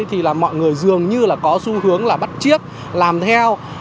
thì là mọi người dường như là có xu hướng là bắt chiếc làm theo